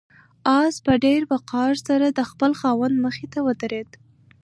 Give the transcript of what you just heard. آس په ډېر وقار سره د خپل خاوند مخې ته ودرېد.